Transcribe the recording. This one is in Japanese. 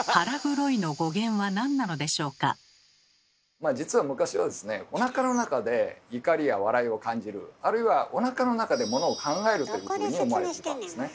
では実は昔はですねおなかの中で怒りや笑いを感じるあるいはおなかの中でものを考えるというふうに思われてたんですね。